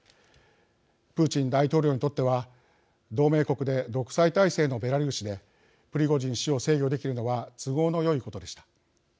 プーチン大統領にとっては同盟国で独裁体制のベラルーシでプリゴジン氏を制御できるのは都合のよいことでした。